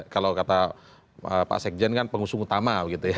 kalau kata pak sekjen kan pengusung utama